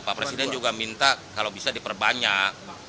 pak presiden juga minta kalau bisa diperbanyak